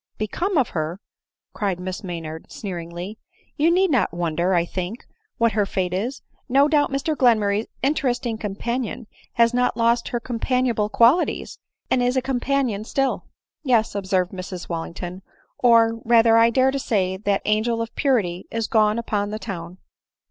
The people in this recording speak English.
"Become of her!" cried Miss Maynard sneeringly; " you need not wonder y I think, what her fate is ; no doubt Mr Glenmurray's interesting companion has not lost her companionable qualities, and is a companion still." " Yes," observed Mrs Wallington ;" or, rather, I dare say that angel of purity is gone upon the town."